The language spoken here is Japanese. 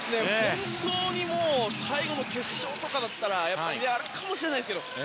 本当に、最後の決勝とかだったらあるかもしれないですけど。